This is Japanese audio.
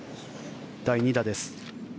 第２打です。